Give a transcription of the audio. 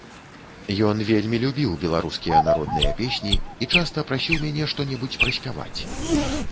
Ён вельмі любіў беларускія народныя песні і часта прасіў мяне што-небудзь праспяваць.